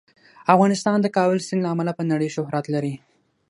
افغانستان د کابل سیند له امله په نړۍ شهرت لري.